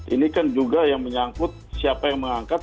ini kan juga yang menyangkut siapa yang mengangkat